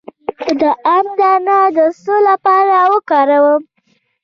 د ام دانه د څه لپاره وکاروم؟